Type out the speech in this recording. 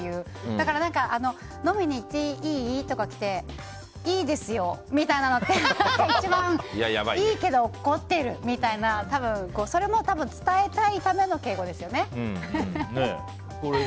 だから飲みに行っていい？とかっていいですよ、みたいなのっていいけど怒ってるみたいな多分それも伝えたいための敬語ですよね。